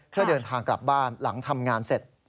เพื่อเดินทางกลับบ้านหลังทำงานเสร็จ